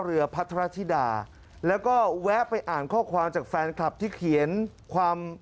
พัทรธิดาแล้วก็แวะไปอ่านข้อความจากแฟนคลับที่เขียนความ